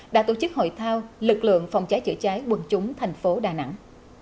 đã tổ chức hội thao lực lượng phòng cháy chữa cháy quân chúng thành phố đà nẵng